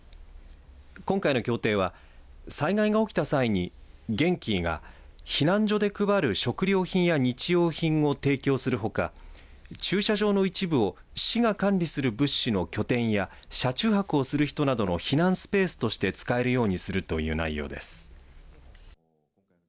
今回の協定は災害が起きた際にゲンキーが避難所で配る食料品や日用品を提供するほか駐車場の一部を市が管理する物資の拠点や車中泊をする人などの避難スペースとして使えるようにするという内容です。